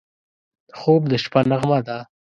خوب د شپه نغمه ده